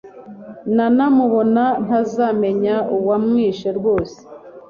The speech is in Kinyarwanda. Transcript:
nanamubona ntazamenya uwamwishe rwose